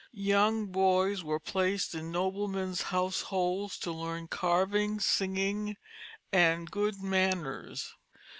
Young boys were placed in noblemen's households to learn carving, singing, and good manners.